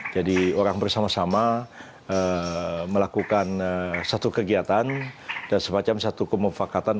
jadi orang bersama sama melakukan satu kegiatan dan semacam satu kemufakatan